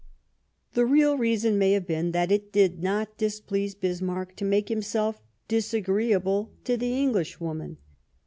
The real reason may have been that it did not displease Bismarck to make himself disagreeable to the " English woman."